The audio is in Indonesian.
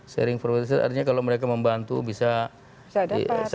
sharing forfeited asset artinya kalau mereka membantu bisa dapat